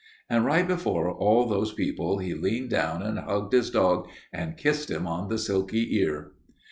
And right before all those people he leaned down and hugged his dog and kissed him on the silky ear.